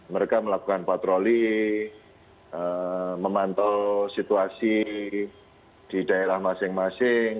mereka melakukan patroli memantau situasi di daerah masing masing